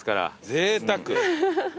ぜいたく。